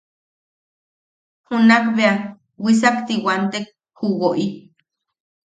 Junak bea wisakti wantek ju woʼi;.